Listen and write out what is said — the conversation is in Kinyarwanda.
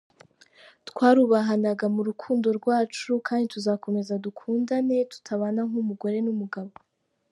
Twarubahanaga mu rukundo rwacu kandi tuzakomeza dukundane tutabana nk’umugore n’umugabo.